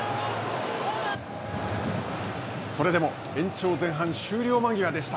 それでも、延長前半終了間際でした。